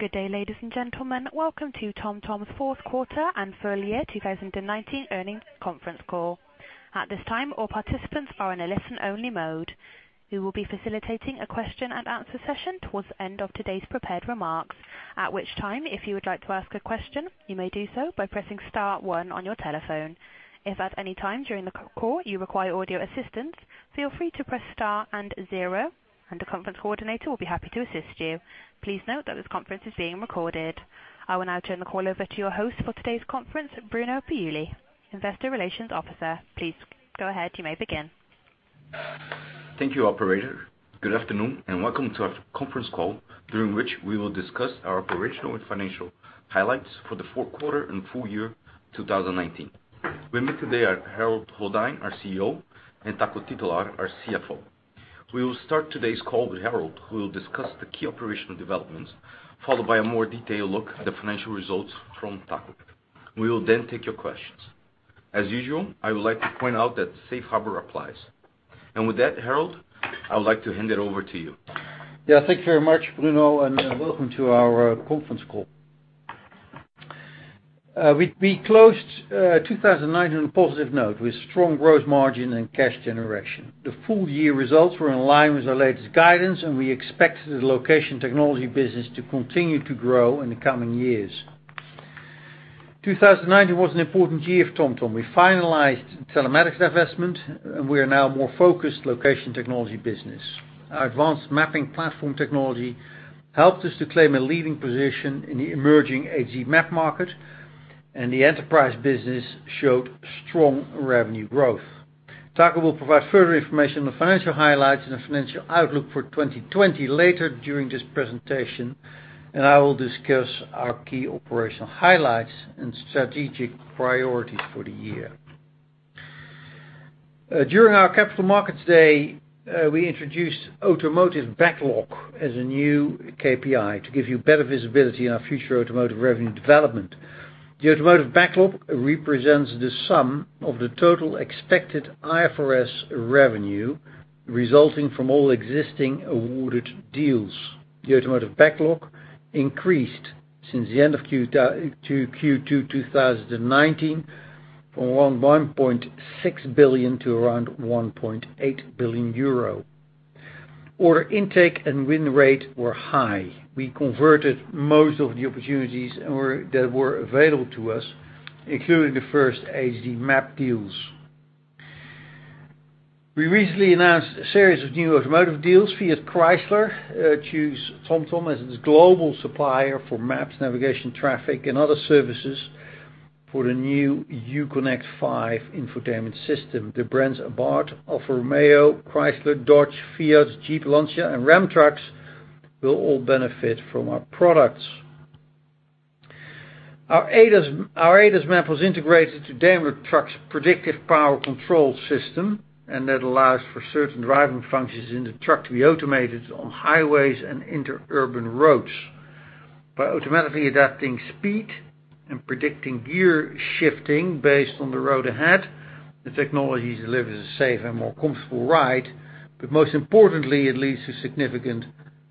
Good day, ladies and gentlemen. Welcome to TomTom's Q4 and Full Year 2019 Earnings Conference Call. At this time, all participants are in a listen-only mode. We will be facilitating a question and answer session towards the end of today's prepared remarks, at which time, if you would like to ask a question, you may do so by pressing star one on your telephone. If at any time during the call you require audio assistance, feel free to press star and zero, and the conference coordinator will be happy to assist you. Please note that this conference is being recorded. I will now turn the call over to your host for today's conference, Bruno Priuli, Investor Relations Officer. Please go ahead. You may begin. Thank you, operator. Welcome to our conference call, during which we will discuss our operational and financial highlights for the Q4 and full year 2019. With me today are Harold Goddijn, our CEO, and Taco Titulaer, our CFO. We will start today's call with Harold, who will discuss the key operational developments, followed by a more detailed look at the financial results from Taco. We will take your questions. As usual, I would like to point out that safe harbor applies. With that, Harold, I would like to hand it over to you. Yeah, thank you very much, Bruno. Welcome to our conference call. We closed 2019 on a positive note with strong gross margin and cash generation. The full-year results were in line with our latest guidance. We expect the location technology business to continue to grow in the coming years. 2019 was an important year for TomTom. We finalized telematics divestment. We are now a more focused location technology business. Our advanced mapping platform technology helped us to claim a leading position in the emerging HD map market. The enterprise business showed strong revenue growth. Taco will provide further information on the financial highlights and the financial outlook for 2020 later during this presentation. I will discuss our key operational highlights and strategic priorities for the year. During our Capital Markets Day, we introduced automotive backlog as a new KPI to give you better visibility in our future automotive revenue development. The automotive backlog represents the sum of the total expected IFRS revenue resulting from all existing awarded deals. The automotive backlog increased since the end of Q2 2019 from 1.6 billion to around 1.8 billion euro. Order intake and win rate were high. We converted most of the opportunities that were available to us, including the first HD map deals. We recently announced a series of new automotive deals. Fiat Chrysler choose TomTom as its global supplier for maps, navigation, traffic, and other services for the new Uconnect 5 Infotainment System. The brands Abarth, Alfa Romeo, Chrysler, Dodge, Fiat, Jeep, Lancia, and Ram Trucks will all benefit from our products. Our ADAS map was integrated to Daimler Truck's Predictive Powertrain Control system. That allows for certain driving functions in the truck to be automated on highways and inter-urban roads. By automatically adapting speed and predicting gear shifting based on the road ahead, the technology delivers a safer and more comfortable ride. Most importantly, it leads to significant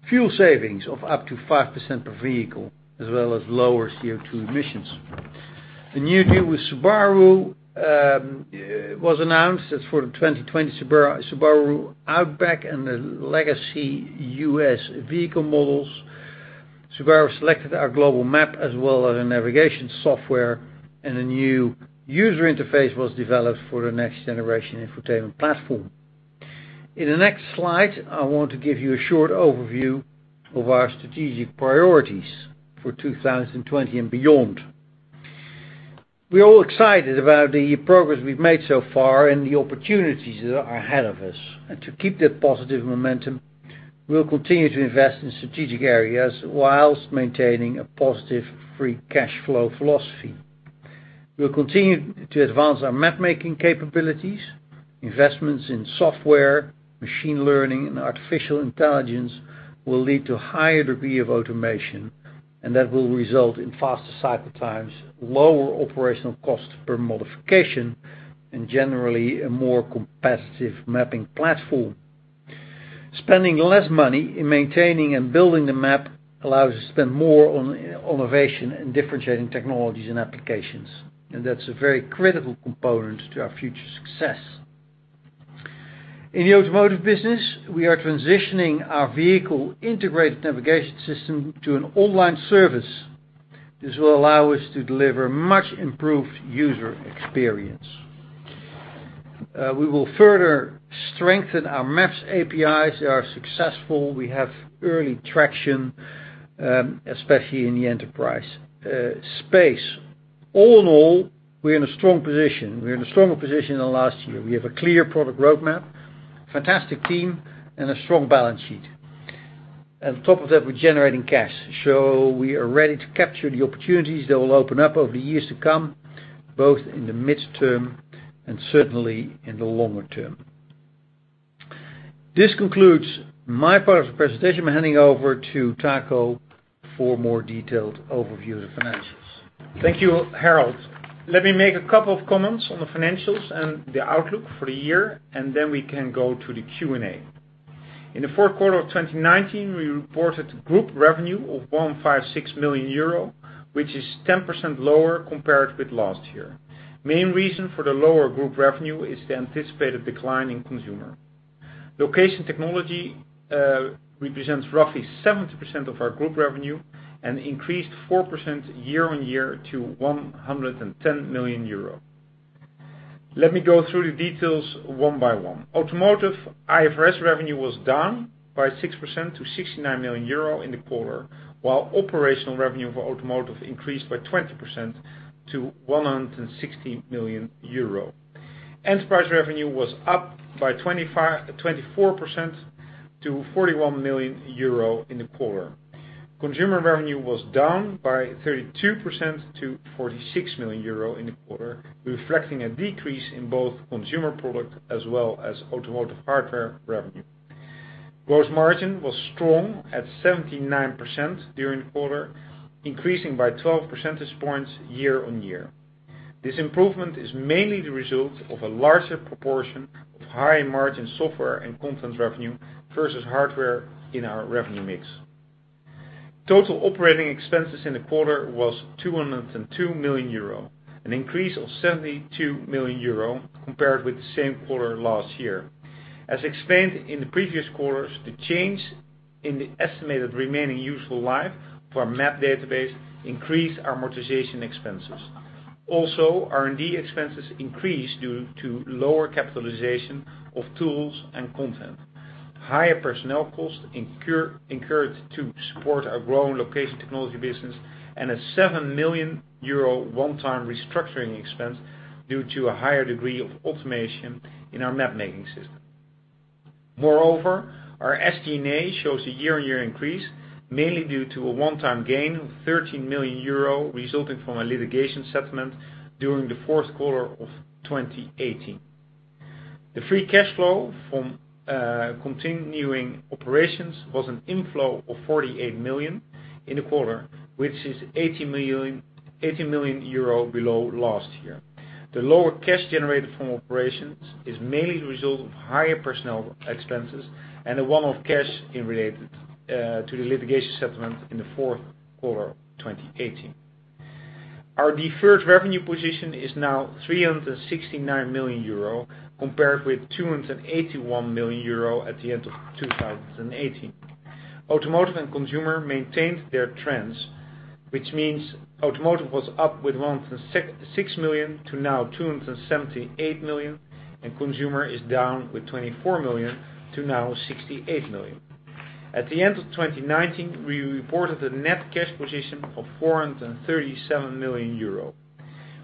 fuel savings of up to 5% per vehicle, as well as lower CO2 emissions. The new deal with Subaru was announced. That's for the 2020 Subaru Outback and the Legacy U.S. vehicle models. Subaru selected our global map as well as a navigation software. A new user interface was developed for the next generation infotainment platform. In the next slide, I want to give you a short overview of our strategic priorities for 2020 and beyond. We're all excited about the progress we've made so far and the opportunities that are ahead of us. To keep that positive momentum, we'll continue to invest in strategic areas while maintaining a positive free cash flow philosophy. We'll continue to advance our map-making capabilities, investments in software, machine learning, and artificial intelligence will lead to higher degree of automation, and that will result in faster cycle times, lower operational costs per modification, and generally a more competitive mapping platform. Spending less money in maintaining and building the map allows us to spend more on innovation and differentiating technologies and applications, and that's a very critical component to our future success. In the automotive business, we are transitioning our vehicle integrated navigation system to an online service. This will allow us to deliver much improved user experience. We will further strengthen our maps APIs. They are successful. We have early traction, especially in the enterprise space. All in all, we are in a strong position. We are in a stronger position than last year. We have a clear product roadmap, fantastic team, and a strong balance sheet. On top of that, we're generating cash. We are ready to capture the opportunities that will open up over the years to come, both in the midterm and certainly in the longer term. This concludes my part of the presentation. I'm handing over to Taco for a more detailed overview of the financials. Thank you, Harold. Let me make a couple of comments on the financials and the outlook for the year, and then we can go to the Q&A. In the Q4 of 2019, we reported group revenue of 156 million euro, which is 10% lower compared with last year. Main reason for the lower group revenue is the anticipated decline in consumer. Location Technology represents roughly 70% of our group revenue and increased 4% year-on-year to 110 million euro. Let me go through the details one by one. Automotive IFRS revenue was down by 6% to 69 million euro in the quarter, while operational revenue for automotive increased by 20% to 116 million euro. Enterprise revenue was up by 24% to 41 million euro in the quarter. Consumer revenue was down by 32% to 46 million euro in the quarter, reflecting a decrease in both consumer product as well as automotive hardware revenue. Gross margin was strong at 79% during the quarter, increasing by 12 percentage points year-on-year. This improvement is mainly the result of a larger proportion of high margin software and content revenue versus hardware in our revenue mix. Total operating expenses in the quarter was 202 million euro, an increase of 72 million euro compared with the same quarter last year. As explained in the previous quarters, the change in the estimated remaining useful life for our map database increased amortization expenses. R&D expenses increased due to lower capitalization of tools and content. Higher personnel costs incurred to support our growing location technology business and a 7 million euro one-time restructuring expense due to a higher degree of automation in our mapmaking system. Moreover, our SG&A shows a year-on-year increase, mainly due to a one-time gain of 13 million euro resulting from a litigation settlement during the Q4 of 2018. The free cash flow from continuing operations was an inflow of 48 million in the quarter, which is 80 million below last year. The lower cash generated from operations is mainly the result of higher personnel expenses and a one-off cash in related to the litigation settlement in the Q4 of 2018. Our deferred revenue position is now 369 million euro compared with 281 million euro at the end of 2018. Automotive and consumer maintained their trends, which means automotive was up with 166 million to now 278 million, and consumer is down with 24 million to now 68 million. At the end of 2019, we reported a net cash position of 437 million euro.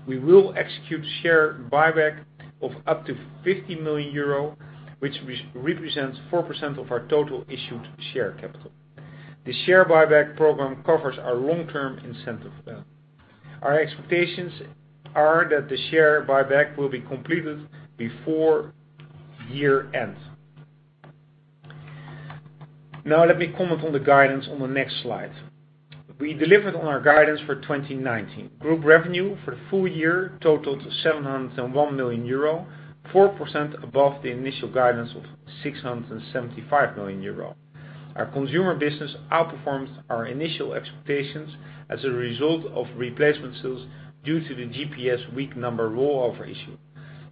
We will execute share buyback of up to 50 million euro, which represents 4% of our total issued share capital. The share buyback program covers our long-term incentive plan. Our expectations are that the share buyback will be completed before year-end. Let me comment on the guidance on the next slide. We delivered on our guidance for 2019. Group revenue for the full year totaled 701 million euro, 4% above the initial guidance of 675 million euro. Our consumer business outperformed our initial expectations as a result of replacement sales due to the GPS week number rollover issue.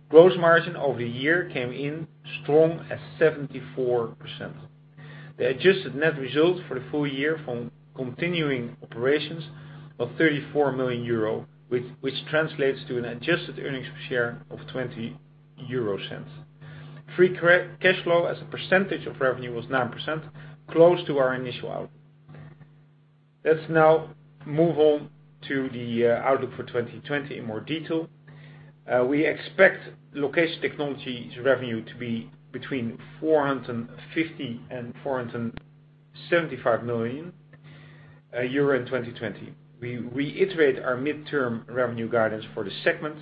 Gross margin over the year came in strong at 74%. The adjusted net results for the full year from continuing operations was 34 million euro, which translates to an adjusted earnings per share of 0.20. Free cash flow as a percentage of revenue was 9%, close to our initial outlook. Let's now move on to the outlook for 2020 in more detail. We expect Location Technology's revenue to be between 450 million and 475 million euro in 2020. We reiterate our midterm revenue guidance for the segment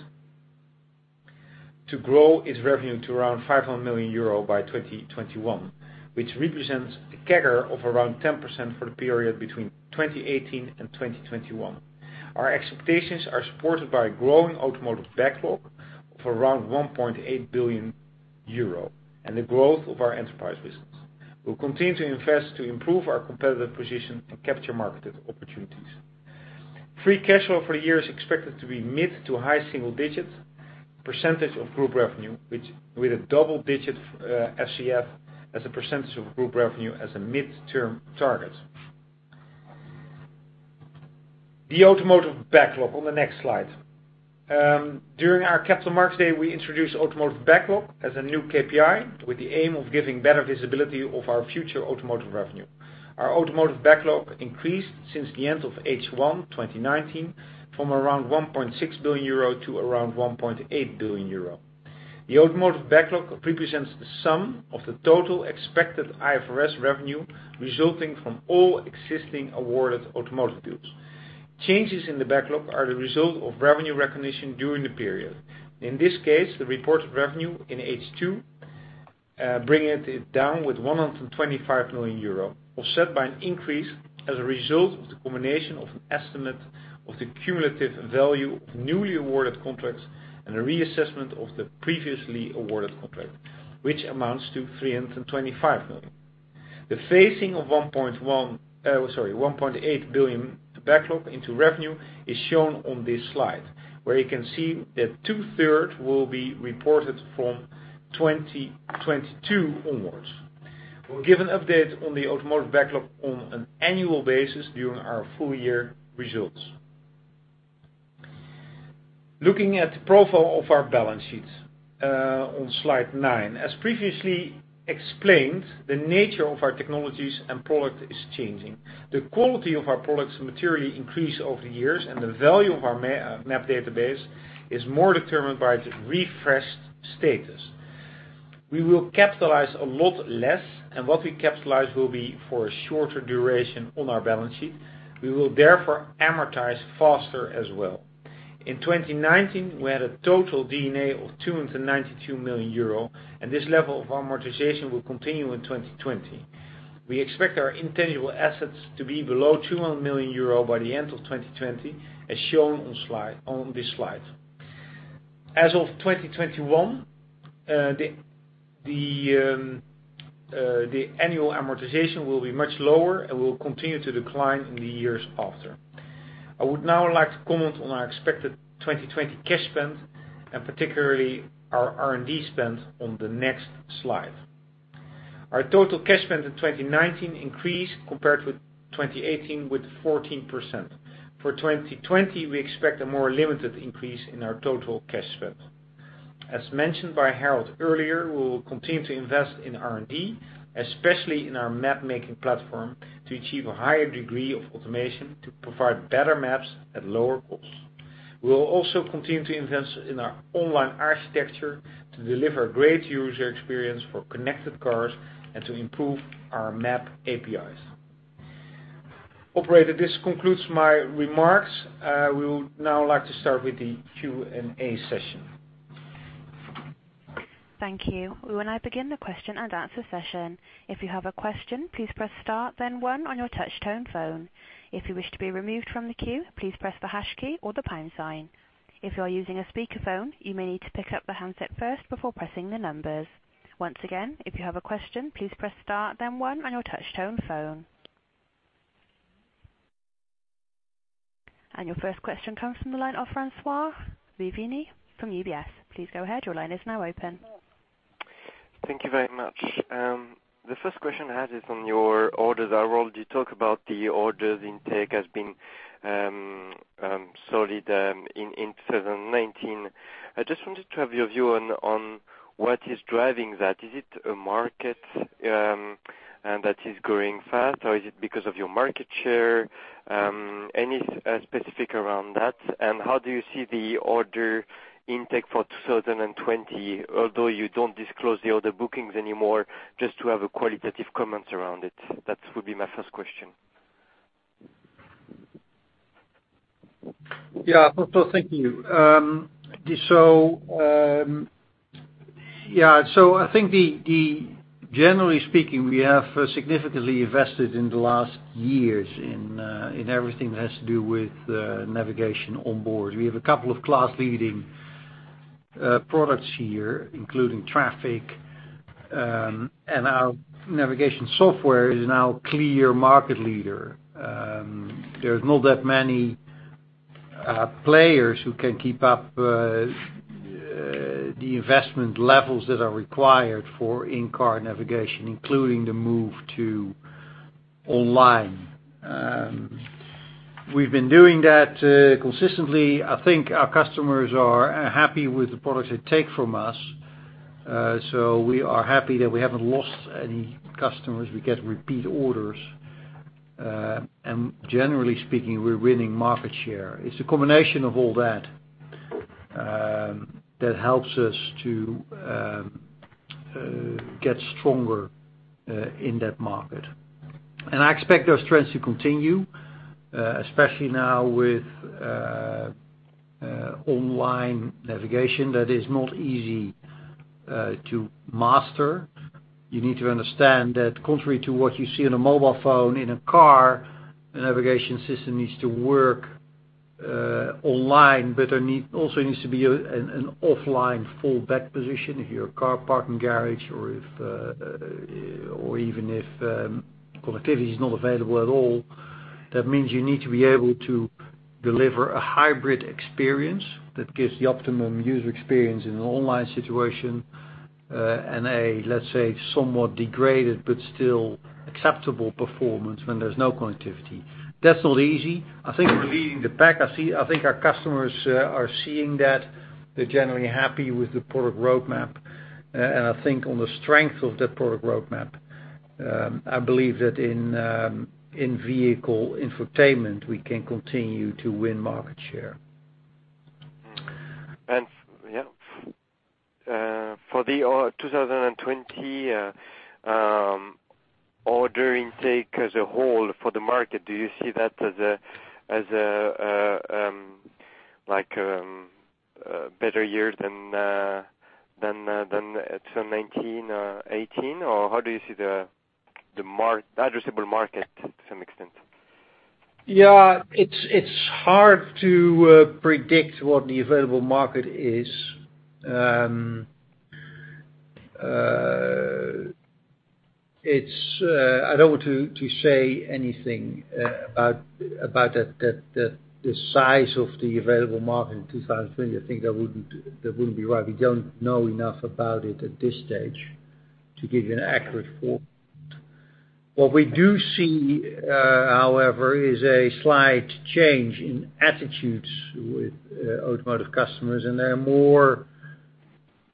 to grow its revenue to around 500 million euro by 2021, which represents a CAGR of around 10% for the period between 2018 and 2021. Our expectations are supported by a growing automotive backlog of around 1.8 billion euro and the growth of our enterprise business. We'll continue to invest to improve our competitive position and capture market opportunities. Free cash flow for the year is expected to be mid to high single digits % of group revenue, with a double-digit FCF as a percentage of group revenue as a midterm target. The automotive backlog on the next slide. During our Capital Markets Day, we introduced automotive backlog as a new KPI with the aim of giving better visibility of our future automotive revenue. Our automotive backlog increased since the end of H1 2019 from around 1.6 billion euro to around 1.8 billion euro. The automotive backlog represents the sum of the total expected IFRS revenue resulting from all existing awarded automotive deals. Changes in the backlog are the result of revenue recognition during the period. In this case, the reported revenue in H2, bringing it down with 125 million euro, offset by an increase as a result of the combination of an estimate of the cumulative value of newly awarded contracts and a reassessment of the previously awarded contract, which amounts to 325 million. The phasing of 1.8 billion backlog into revenue is shown on this slide, where you can see that two-thirds will be reported from 2022 onwards. We'll give an update on the automotive backlog on an annual basis during our full year results. Looking at the profile of our balance sheets on slide nine. As previously explained, the nature of our technologies and product is changing. The quality of our products materially increase over the years, and the value of our map database is more determined by its refreshed status. We will capitalize a lot less, and what we capitalize will be for a shorter duration on our balance sheet. We will therefore amortize faster as well. In 2019, we had a total D&A of 292 million euro, and this level of amortization will continue in 2020. We expect our intangible assets to be below 200 million euro by the end of 2020, as shown on this slide. As of 2021, the annual amortization will be much lower and will continue to decline in the years after. I would now like to comment on our expected 2020 cash spend, particularly our R&D spend on the next slide. Our total cash spend in 2019 increased compared with 2018 with 14%. For 2020, we expect a more limited increase in our total cash spend. As mentioned by Harold earlier, we will continue to invest in R&D, especially in our map making platform, to achieve a higher degree of automation to provide better maps at lower cost. We will also continue to invest in our online architecture to deliver great user experience for connected cars and to improve our map APIs. Operator, this concludes my remarks. I will now like to start with the Q&A session. Thank you. We will now begin the question and answer session. If you have a question, please press star then one on your touch tone phone. If you wish to be removed from the queue, please press the hash key or the pound sign. If you are using a speaker phone, you may need to pick up the handset first before pressing the numbers. Once again, if you have a question, please press star then one on your touch tone phone. Your first question comes from the line of François Bouvignies from UBS. Please go ahead. Your line is now open. Thank you very much. The first question I had is on your orders. Harold, you talk about the orders intake has been solid in 2019. I just wanted to have your view on what is driving that. Is it a market that is growing fast or is it because of your market share? Any specifics around that? How do you see the order intake for 2020, although you don't disclose the order bookings anymore, just to have a qualitative comment around it? That would be my first question. Thank you. I think generally speaking, we have significantly invested in the last years in everything that has to do with navigation on board. We have a couple of class leading products here, including traffic. Our navigation software is now clear market leader. There's not that many players who can keep up the investment levels that are required for in-car navigation, including the move to online. We've been doing that consistently. I think our customers are happy with the products they take from us. We are happy that we haven't lost any customers. We get repeat orders. Generally speaking, we're winning market share. It's a combination of all that that helps us to get stronger in that market. I expect those trends to continue, especially now with online navigation that is not easy to master. You need to understand that contrary to what you see on a mobile phone, in a car, a navigation system needs to work online, but there also needs to be an offline fallback position if you're in a car parking garage or even if connectivity is not available at all. That means you need to be able to deliver a hybrid experience that gives the optimum user experience in an online situation and a, let's say, somewhat degraded but still acceptable performance when there's no connectivity. That's not easy. I think we're leading the pack. I think our customers are seeing that. They're generally happy with the product roadmap. I think on the strength of that product roadmap, I believe that in vehicle infotainment, we can continue to win market share. Yeah. For the 2020 order intake as a whole for the market, do you see that as like better year than 2019, 2018, or how do you see the addressable market to some extent? Yeah. It's hard to predict what the available market is. I don't want to say anything about the size of the available market in 2020. I think that wouldn't be right. We don't know enough about it at this stage to give you an accurate forecast. What we do see, however, is a slight change in attitudes with automotive customers, and they're more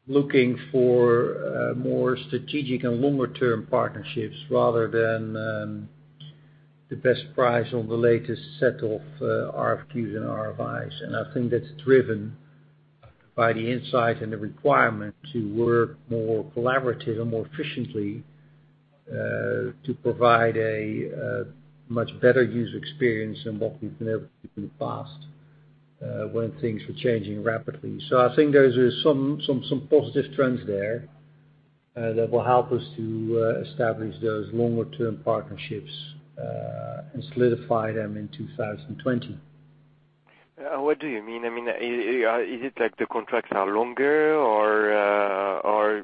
looking for more strategic and longer-term partnerships rather than the best price on the latest set of RFQs and RFIs. I think that's driven by the insight and the requirement to work more collaboratively and more efficiently, to provide a much better user experience than what we've been able to in the past, when things were changing rapidly. I think there's some positive trends there, that will help us to establish those longer-term partnerships, and solidify them in 2020. What do you mean? Is it like the contracts are longer, or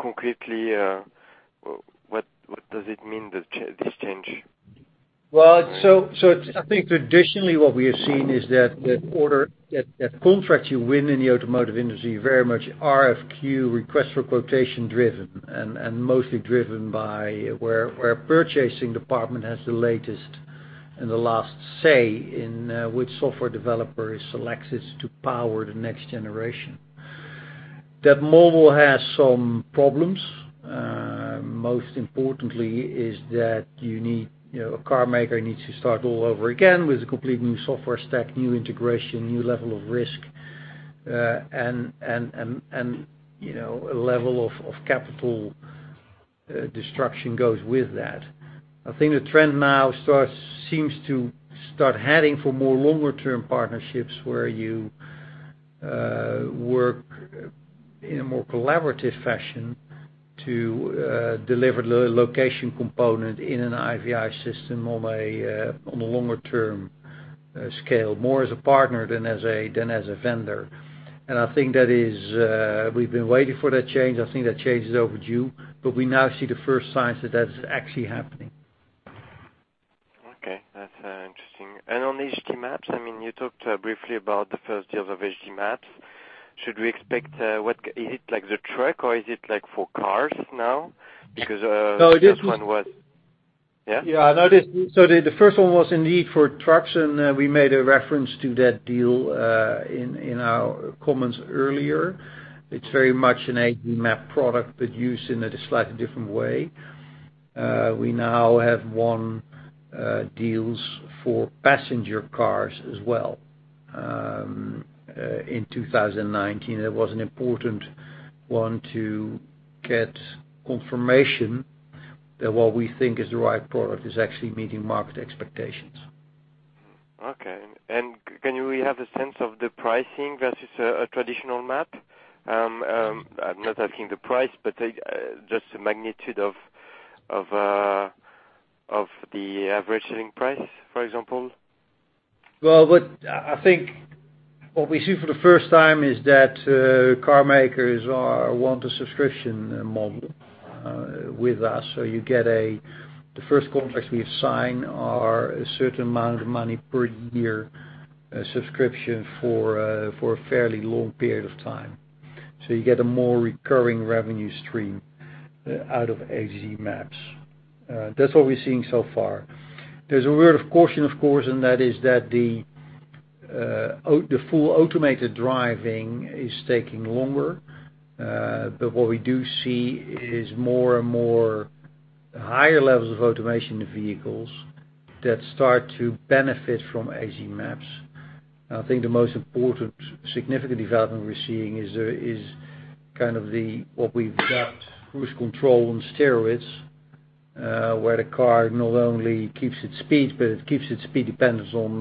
concretely, what does it mean, this change? I think traditionally what we have seen is that contracts you win in the automotive industry are very much RFQ, request for quotation, driven. Mostly driven by where purchasing department has the latest and the last say in which software developer is selected to power the next generation. That model has some problems. Most importantly is that a car maker needs to start all over again with a complete new software stack, new integration, new level of risk, and a level of capital destruction goes with that. I think the trend now seems to start heading for more longer-term partnerships where you work in a more collaborative fashion to deliver the location component in an IVI system on a longer-term scale, more as a partner than as a vendor. I think that we've been waiting for that change. I think that change is overdue, but we now see the first signs that that's actually happening. Okay. That's interesting. On HD Maps, you talked briefly about the first deal of HD Maps. Should we expect, is it like the truck or is it like for cars now? No, this. Yeah. No. The first one was indeed for trucks, and we made a reference to that deal, in our comments earlier. It's very much an HD map product, but used in a slightly different way. We now have won deals for passenger cars as well, in 2019. That was an important one to get confirmation that what we think is the right product is actually meeting market expectations. Okay. Can we have a sense of the pricing versus a traditional map? I'm not asking the price, but just the magnitude of the average selling price, for example. I think what we see for the first time is that car makers want a subscription model with us. The first contracts we sign are a certain amount of money per year subscription for a fairly long period of time. You get a more recurring revenue stream out of HD Maps. That's what we're seeing so far. There's a word of caution, of course, and that is that the full automated driving is taking longer. What we do see is more and more higher levels of automation in vehicles that start to benefit from HD Maps. I think the most important significant development we're seeing is kind of the, what we've dubbed cruise control on steroids, where the car not only keeps its speed, but it keeps its speed dependent on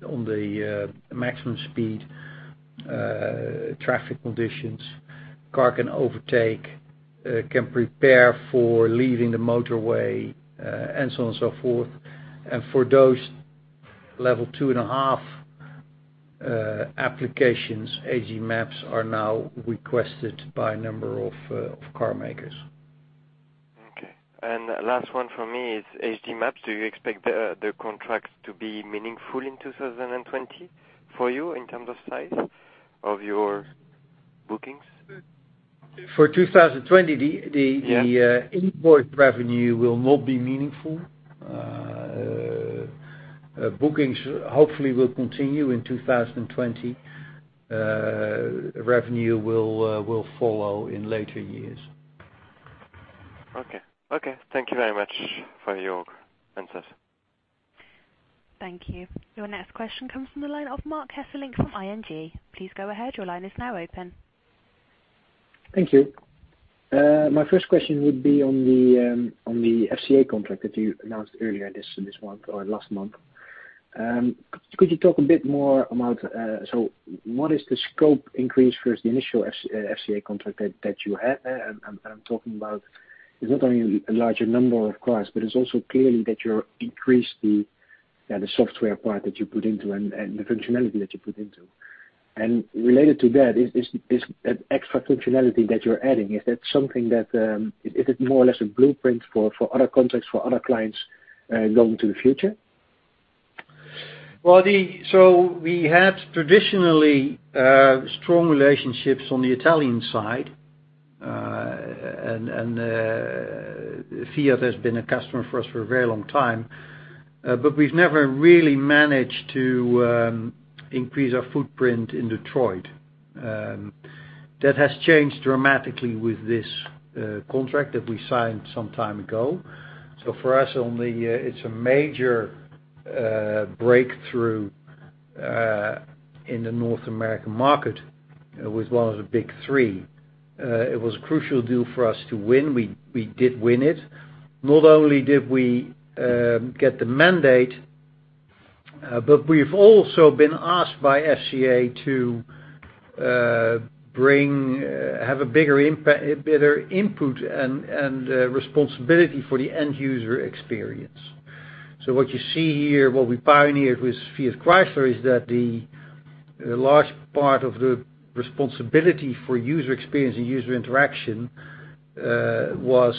the maximum speed, traffic conditions. Car can overtake, can prepare for leaving the motorway, and so on and so forth. For those level two and a half applications, HD Maps are now requested by a number of car makers. Okay. Last one from me is HD Maps. Do you expect the contracts to be meaningful in 2020 for you in terms of size of your bookings? For 2020. Yeah The invoice revenue will not be meaningful. Bookings hopefully will continue in 2020. Revenue will follow in later years. Okay. Thank you very much for your answers. Thank you. Your next question comes from the line of Marc Hesselink from ING. Please go ahead. Your line is now open. Thank you. My first question would be on the FCA contract that you announced earlier this month or last month. Could you talk a bit more about what is the scope increase versus the initial FCA contract that you had there? I'm talking about it's not only a larger number of cars, but it's also clear that you increased the software part that you put into and the functionality that you put into. Related to that, is that extra functionality that you're adding, is it more or less a blueprint for other contracts for other clients going to the future? Well, we had traditionally strong relationships on the Italian side. Fiat has been a customer for us for a very long time. We've never really managed to increase our footprint in Detroit. That has changed dramatically with this contract that we signed some time ago. For us, it's a major breakthrough in the North American market with one of the Big Three. It was a crucial deal for us to win. We did win it. Not only did we get the mandate, we've also been asked by FCA to have a bigger input and responsibility for the end-user experience. What you see here, what we pioneered with Fiat Chrysler, is that the large part of the responsibility for user experience and user interaction was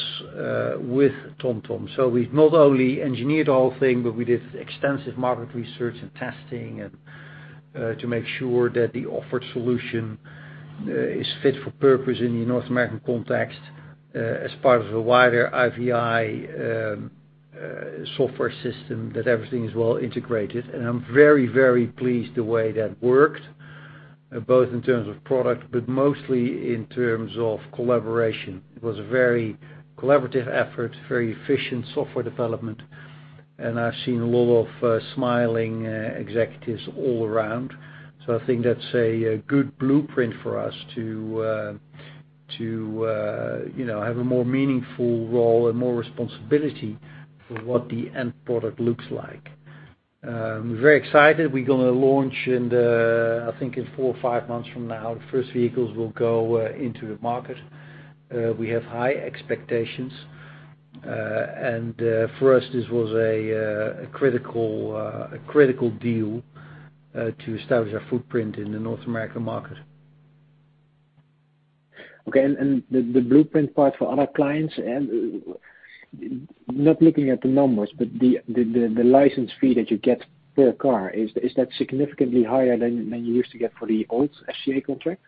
with TomTom. We've not only engineered the whole thing, but we did extensive market research and testing to make sure that the offered solution is fit for purpose in the North American context as part of the wider IVI software system, that everything is well integrated. I'm very, very pleased the way that worked, both in terms of product, but mostly in terms of collaboration. It was a very collaborative effort, very efficient software development, and I've seen a lot of smiling executives all around. I think that's a good blueprint for us to have a more meaningful role and more responsibility for what the end product looks like. We're very excited. We're going to launch in, I think in four or five months from now, the first vehicles will go into the market. We have high expectations. For us, this was a critical deal to establish our footprint in the North American market. Okay. The blueprint part for other clients, not looking at the numbers, but the license fee that you get per car, is that significantly higher than you used to get for the old FCA contract?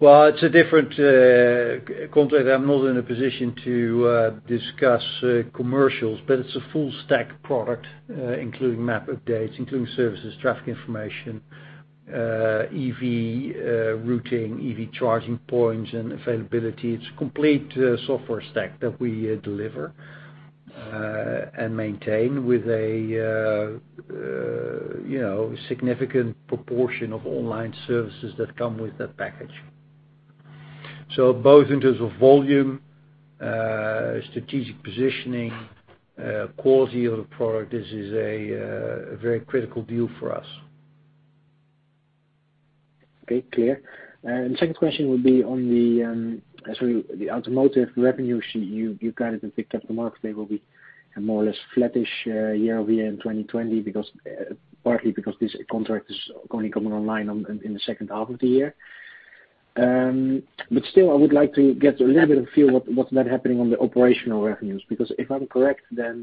Well, it's a different contract. I'm not in a position to discuss commercials, but it's a full stack product, including map updates, including services, traffic information, EV routing, EV charging points, and availability. It's a complete software stack that we deliver and maintain with a significant proportion of online services that come with that package. Both in terms of volume, strategic positioning, quality of the product, this is a very critical deal for us. Okay, clear. Second question would be on the automotive revenue sheet. You guided and picked up the market, they will be more or less flattish year-over-year in 2020, partly because this contract is only coming online in the second half of the year. Still, I would like to get a little bit of feel what's net happening on the operational revenues. If I'm correct, the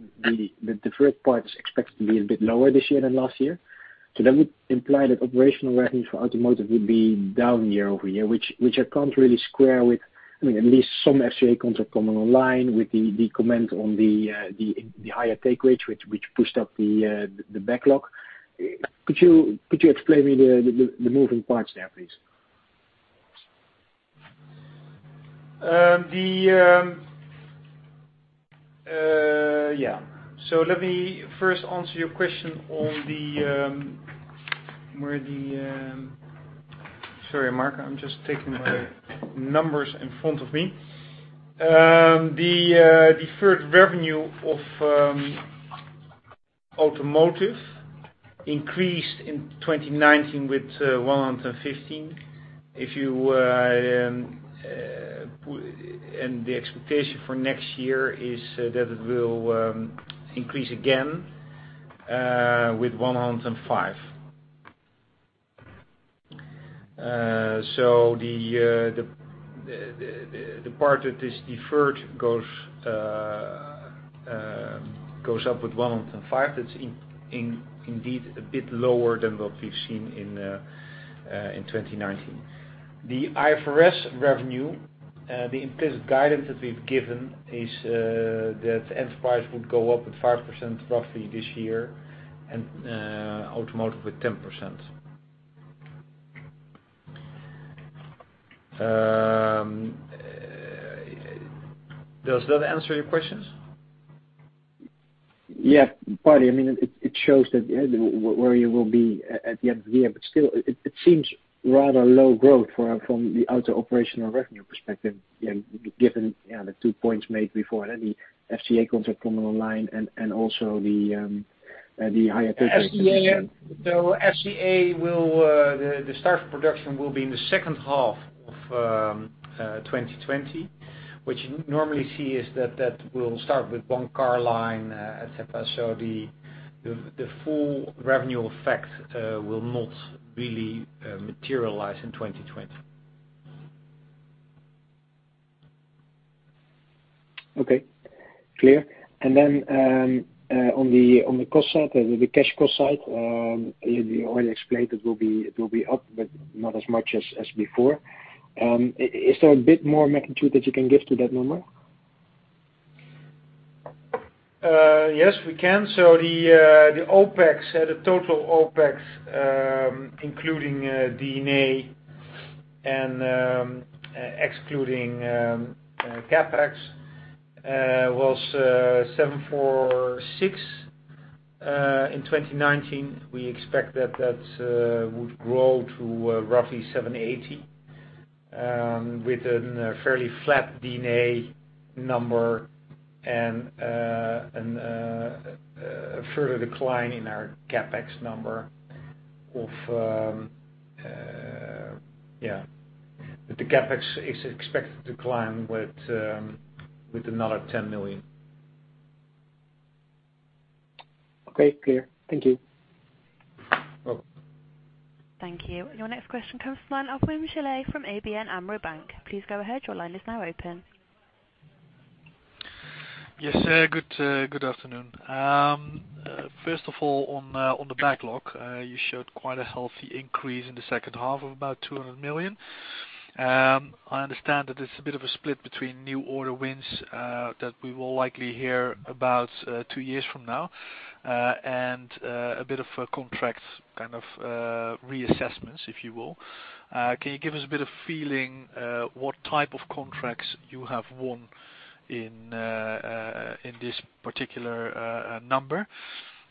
deferred part is expected to be a bit lower this year than last year. That would imply that operational revenue for automotive would be down year-over-year, which I can't really square with at least some FCA contract coming online with the comment on the higher take rates, which pushed up the backlog. Could you explain me the moving parts there, please? Yeah. Let me first answer your question on the Sorry, Marc, I'm just taking my numbers in front of me. The deferred revenue of automotive increased in 2019 with 115 million. The expectation for next year is that it will increase again with 105 million. The part that is deferred goes up with 105 million. That's indeed a bit lower than what we've seen in 2019. The IFRS revenue, the implicit guidance that we've given is that enterprise would go up with 5% roughly this year and automotive with 10%. Does that answer your questions? Yeah, partly. It shows where you will be at the end of the year, but still it seems rather low growth from the auto operational revenue perspective, given the two points made before, the FCA contract coming online and also the higher content. FCA, the start of production will be in the second half of 2020, which normally see is that will start with one car line, et cetera. The full revenue effect will not really materialize in 2020. Okay, clear. On the cost side, the cash cost side, you already explained it will be up, but not as much as before. Is there a bit more magnitude that you can give to that number? Yes, we can. The total OpEx, including D&A and excluding CapEx, was 746 in 2019. We expect that would grow to roughly 780, with a fairly flat D&A number and a further decline in our CapEx number. The CapEx is expected to decline with another EUR 10 million. Okay, clear. Thank you. Welcome. Thank you. Your next question comes from line of Wim Gille from ABN AMRO Bank. Please go ahead. Your line is now open. Yes, good afternoon. First of all, on the backlog, you showed quite a healthy increase in the second half of about 200 million. I understand that it's a bit of a split between new order wins, that we will likely hear about two years from now, and a bit of a contract kind of reassessments, if you will. Can you give us a bit of feeling what type of contracts you have won in this particular number?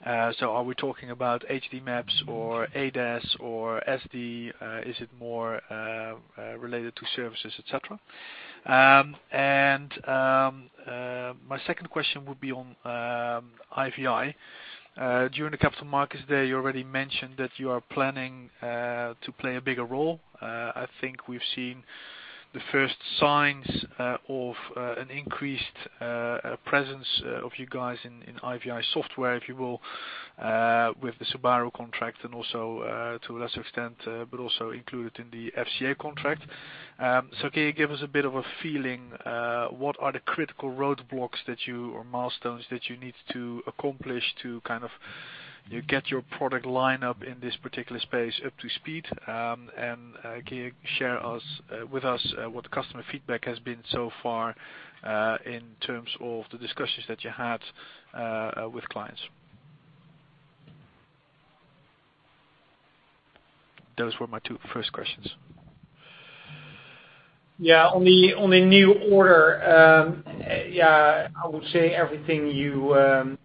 Are we talking about HD maps or ADAS or SD? Is it more related to services, et cetera? My second question would be on IVI. During the capital markets day, you already mentioned that you are planning to play a bigger role. I think we've seen the first signs of an increased presence of you guys in IVI software, if you will, with the Subaru contract and also, to a lesser extent, but also included in the FCA contract. Can you give us a bit of a feeling, what are the critical roadblocks or milestones that you need to accomplish to get your product line up in this particular space up to speed? Can you share with us what customer feedback has been so far, in terms of the discussions that you had with clients? Those were my two first questions. Yeah, on the new order, I would say everything you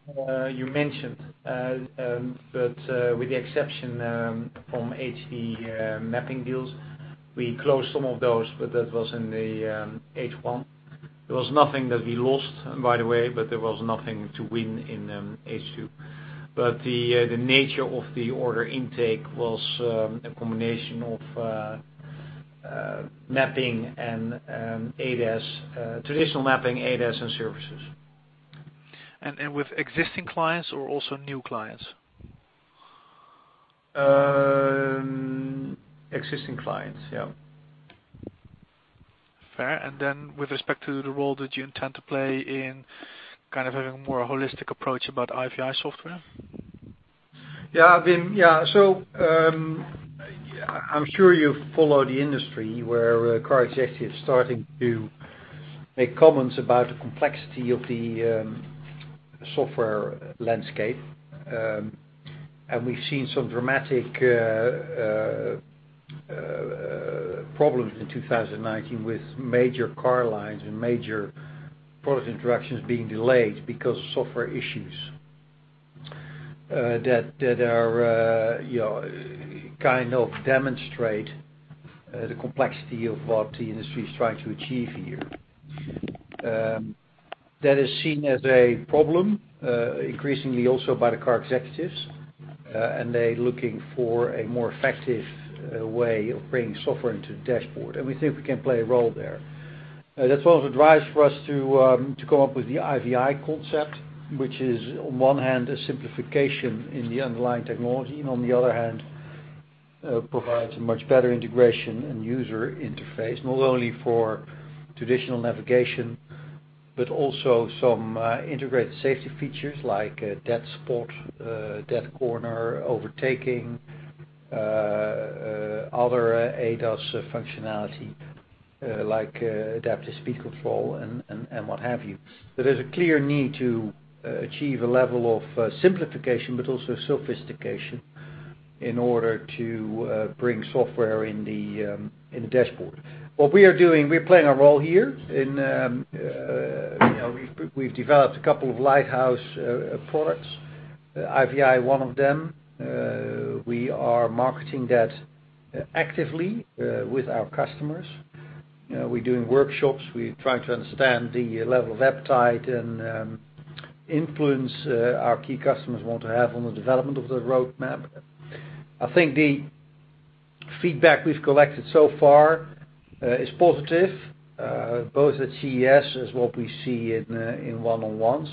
mentioned, with the exception from HD mapping deals. We closed some of those, that was in the H1. There was nothing that we lost, by the way, there was nothing to win in H2. The nature of the order intake was a combination of mapping and ADAS, traditional mapping, ADAS, and services. With existing clients or also new clients? Existing clients, yeah. Fair. Then with respect to the role that you intend to play in kind of having a more holistic approach about IVI software? Wim. I'm sure you follow the industry where car executives are starting to make comments about the complexity of the software landscape. We've seen some dramatic problems in 2019 with major car lines and major product introductions being delayed because of software issues, that kind of demonstrate the complexity of what the industry is trying to achieve here. That is seen as a problem, increasingly also by the car executives. They're looking for a more effective way of bringing software into the dashboard, and we think we can play a role there. That also drives for us to come up with the IVI concept, which is on one hand, a simplification in the underlying technology and on the other hand, provides a much better integration and user interface, not only for traditional navigation, but also some integrated safety features like dead spot, dead corner, overtaking, other ADAS functionality like adaptive speed control and what have you. There is a clear need to achieve a level of simplification, but also sophistication in order to bring software in the dashboard. What we are doing, we are playing a role here. We've developed a couple of lighthouse products, IVI, one of them. We are marketing that actively with our customers. We're doing workshops. We're trying to understand the level of appetite and influence our key customers want to have on the development of the roadmap. I think the feedback we've collected so far is positive, both at CES as what we see in one-on-ones.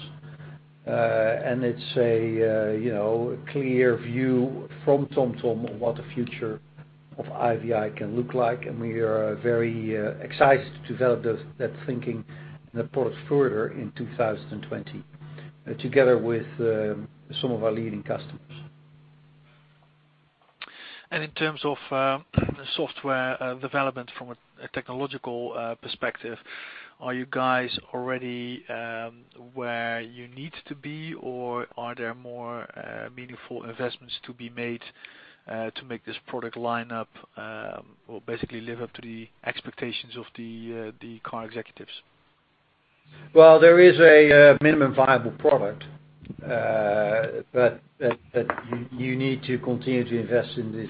It's a clear view from TomTom on what the future of IVI can look like, and we are very excited to develop that thinking and the product further in 2020 together with some of our leading customers. In terms of software development from a technological perspective, are you guys already where you need to be, or are there more meaningful investments to be made to make this product line up, or basically live up to the expectations of the car executives? Well, there is a minimum viable product, but you need to continue to invest in this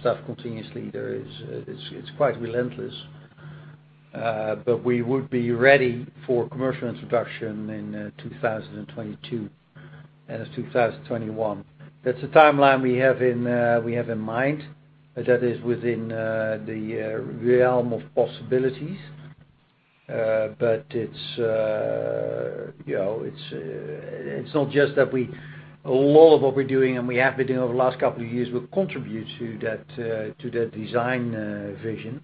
stuff continuously. It's quite relentless. We would be ready for commercial introduction in 2022, end of 2021. That's the timeline we have in mind, that is within the realm of possibilities. A lot of what we're doing, and we have been doing over the last couple of years, will contribute to that design vision.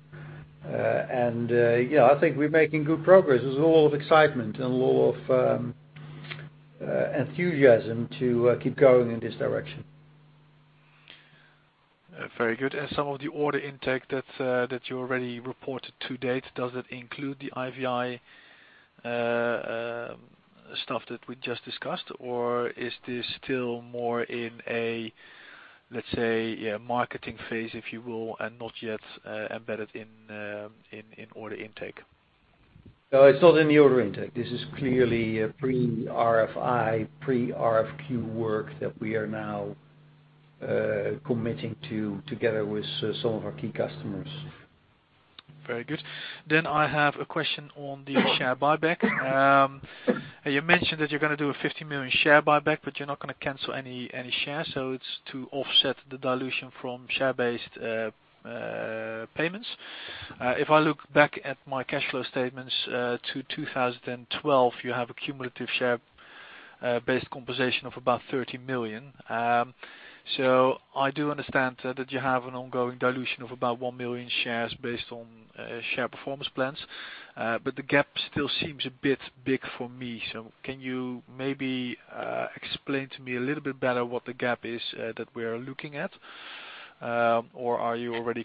I think we're making good progress. There's a lot of excitement and a lot of enthusiasm to keep going in this direction. Very good. Some of the order intake that you already reported to date, does it include the IVI stuff that we just discussed, or is this still more in a marketing phase, if you will, and not yet embedded in order intake? No, it's not in the order intake. This is clearly a pre-RFI, pre-RFQ work that we are now committing to together with some of our key customers. Very good. I have a question on the share buyback. You mentioned that you're going to do a 50 million share buyback, but you're not going to cancel any shares, so it's to offset the dilution from share-based payments. If I look back at my cash flow statements to 2012, you have a cumulative share-based compensation of about 30 million. I do understand that you have an ongoing dilution of about one million shares based on share performance plans. The gap still seems a bit big for me. Can you maybe explain to me a little bit better what the gap is that we are looking at? Are you already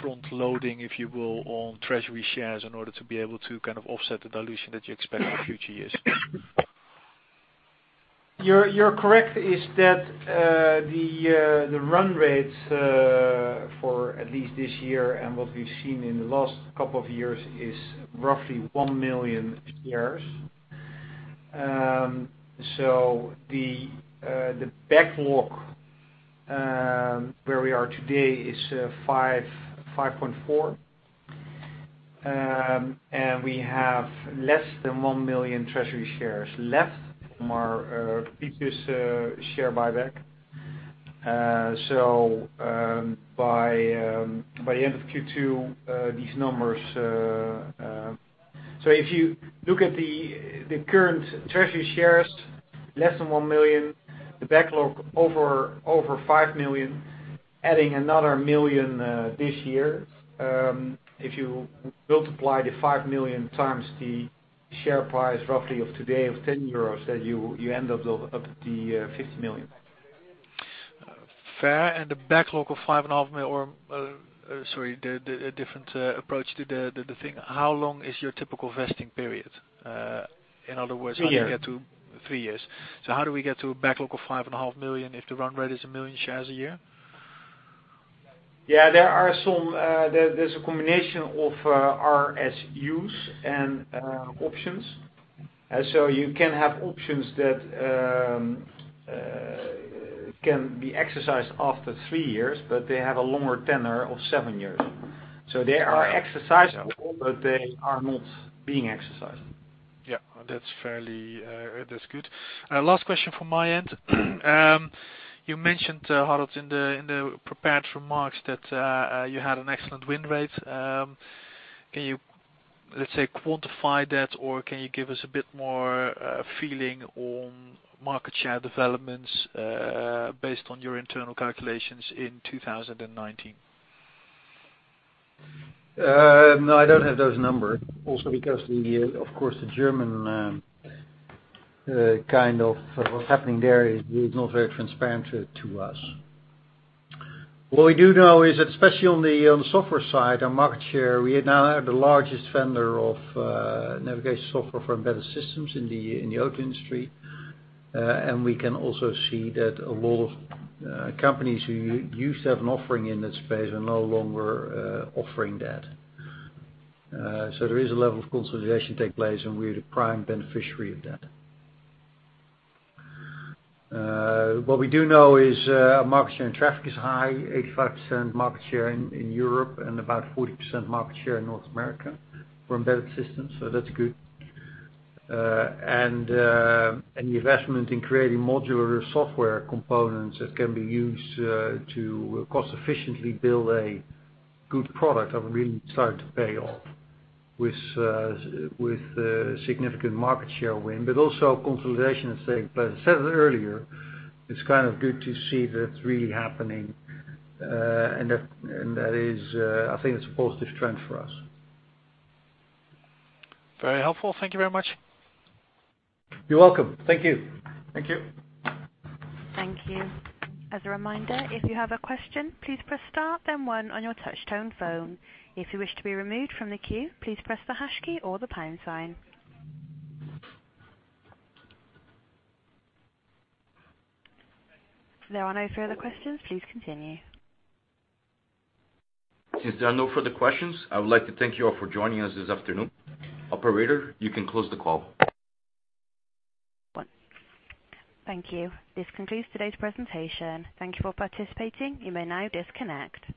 front-loading, if you will, on treasury shares in order to be able to offset the dilution that you expect in future years? You're correct, is that the run rate for at least this year and what we've seen in the last couple of years is roughly one million shares. The backlog where we are today is 5.4. We have less than one million treasury shares left from our previous share buyback. By the end of Q2, if you look at the current treasury shares, less than one million, the backlog over five million, adding another million this year. If you multiply the five million times the share price roughly of today of 10 euros, you end up with 50 million. Fair. The backlog of five and a half million or, sorry, a different approach to the thing. How long is your typical vesting period? A year. How do you get to three years? How do we get to a backlog of five and a half million if the run rate is 1 million shares a year? Yeah, there's a combination of RSUs and options. You can have options that can be exercised after three years, but they have a longer tenure of seven years. They are exercisable, but they are not being exercised. That's good. Last question from my end. You mentioned, Harold, in the prepared remarks that you had an excellent win rate. Can you, let's say, quantify that, or can you give us a bit more feeling on market share developments based on your internal calculations in 2019? No, I don't have those numbers. Also because, of course, the German, kind of what's happening there is not very transparent to us. What we do know is that especially on the software side, our market share, we now are the largest vendor of navigation software for embedded systems in the auto industry. We can also see that a lot of companies who used to have an offering in that space are no longer offering that. There is a level of consolidation taking place, and we're the prime beneficiary of that. What we do know is our market share in traffic is high, 85% market share in Europe and about 40% market share in North America for embedded systems. That's good. The investment in creating modular software components that can be used to cost efficiently build a good product have really started to pay off with a significant market share win, but also consolidation is taking place. I said it earlier, it's kind of good to see that it's really happening, and that is, I think, it's a positive trend for us. Very helpful. Thank you very much. You're welcome. Thank you. Thank you. Thank you. As a reminder, if you have a question, please press star, then one on your touch tone phone. If you wish to be removed from the queue, please press the hash key or the pound sign. There are no further questions. Please continue. Since there are no further questions, I would like to thank you all for joining us this afternoon. Operator, you can close the call. Thank you. This concludes today's presentation. Thank you for participating. You may now disconnect.